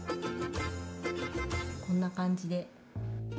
こんな感じで。